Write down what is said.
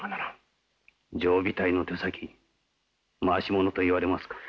常備隊の手先回し者と言われますか？